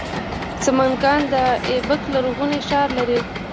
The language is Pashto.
سمنګان د ایبک لرغونی ښار لري